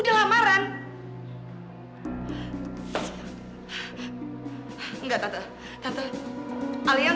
selamat mengalami kamu